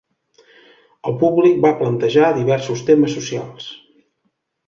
El públic va plantejar diversos temes socials.